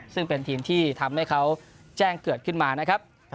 ซึ่งเป็นทีมที่ทำให้เขาแจ้งเกิดขึ้นมานะครับ